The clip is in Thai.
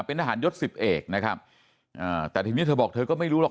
เป็นทหารยศสิบเอกนะครับอ่าแต่ทีนี้เธอบอกเธอก็ไม่รู้หรอก